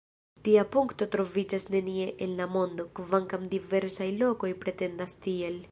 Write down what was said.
Tia punkto troviĝas nenie en la mondo, kvankam diversaj lokoj pretendas tiel.